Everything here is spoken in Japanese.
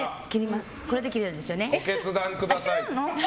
ご決断ください。